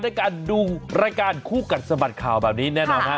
ด้วยการดูรายการคู่กัดสะบัดข่าวแบบนี้แน่นอนฮะ